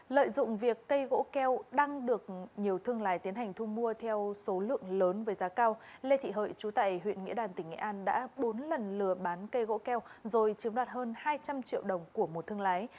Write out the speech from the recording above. lợi dụng việc cây gỗ keo đang được nhiều thương lái tiến hành thu mua theo số lượng lớn với giá cao lê thị hợi chú tại huyện nghĩa đàn tỉnh nghệ an đã bốn lần lừa bán cây gỗ keo rồi chiếm đoạt hơn hai trăm linh triệu đồng của một thương lái